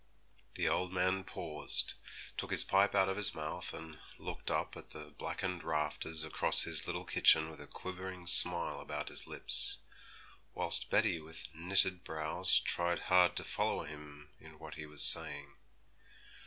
The old man paused, took his pipe out of his mouth, and looked up at the blackened rafters across his little kitchen with a quivering smile about his lips; whilst Betty, with knitted brows, tried hard to follow him in what he was saying.